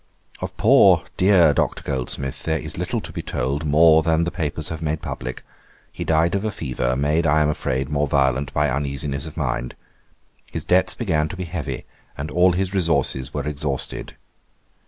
'Of poor dear Dr. Goldsmith there is little to be told, more than the papers have made publick. He died of a fever, made, I am afraid, more violent by uneasiness of mind. His debts began to be heavy, and all his resources were exhausted.